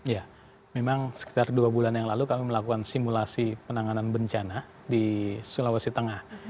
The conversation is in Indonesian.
ya memang sekitar dua bulan yang lalu kami melakukan simulasi penanganan bencana di sulawesi tengah